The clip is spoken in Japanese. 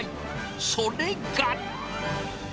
それが。